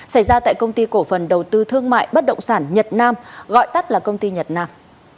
xảy ra tại công ty cổ phần đầu tư thương mại bất động sản nhật nam gọi tắt là công ty nhật nam